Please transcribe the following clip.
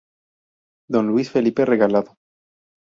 Don Luis Felipe Regalado.